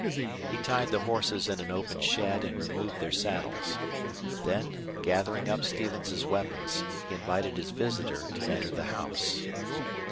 He tied the horses in an open shed and removed their saddles. Then, gathering up Stevens's weapons, he invited his visitor to enter the house.